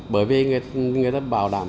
bởi vì người ta bảo đảm